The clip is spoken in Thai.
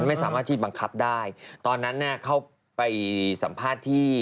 ไม่สามารถที่บังคับได้ตอนนั้นเนี่ยเขาไปสัมภาษณ์ที่